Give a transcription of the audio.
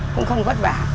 cũng không vất vả